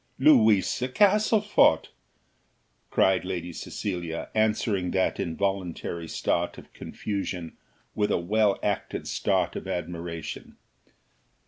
"Louisa Castlefort!" cried Lady Cecilia, answering that involuntary start of confusion with a well acted start of admiration.